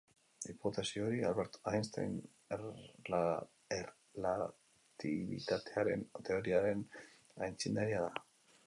Hipotesi hori Albert Einsteinen erlatibitatearen teoriaren aitzindaria da.